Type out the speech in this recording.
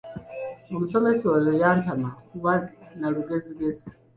Omusomesa oyo yantama kuba na lugezigezi.